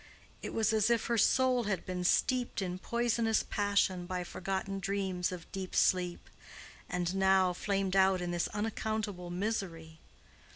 It was as if her soul had been steeped in poisonous passion by forgotten dreams of deep sleep, and now flamed out in this unaccountable misery.